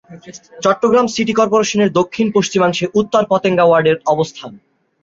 Chittagong city কর্পোরেশনের দক্ষিণ-পশ্চিমাংশে উত্তর পতেঙ্গা ওয়ার্ডের অবস্থান।